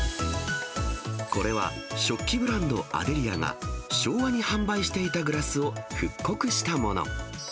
これは、食器ブランド、アデリアが昭和に販売していたグラスを復刻したもの。